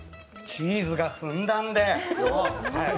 チーズがふんだんで、はい。